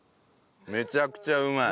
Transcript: めちゃくちゃうまい。